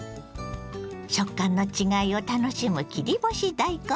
食感の違いを楽しむ切り干し大根。